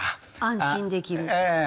安心できる？ええ。